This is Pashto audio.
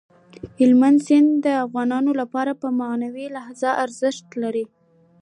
هلمند سیند د افغانانو لپاره په معنوي لحاظ ارزښت لري.